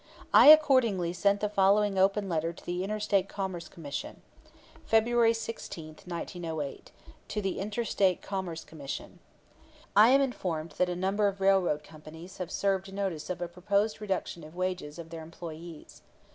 I accordingly sent the following open letter to the Inter State Commerce Commission: February 16, 1908. "To the Inter State Commerce Commission: "I am informed that a number of railroad companies have served notice of a proposed reduction of wages of their employees.